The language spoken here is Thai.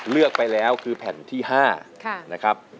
เลือกไปแล้วคือแผ่นที่๕นะครับ